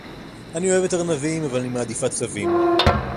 אני אוהבת ארנבים, אבל אני מעדיפה צבים.